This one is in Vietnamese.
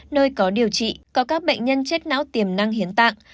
nơi có điều trị có các bệnh nhân chết não tiềm năng hiến tạng